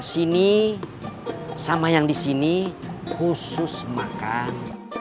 disini sama yang disini khusus makan